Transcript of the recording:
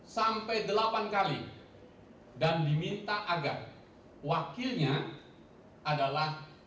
sampai delapan kali dan diminta agar wakilnya adalah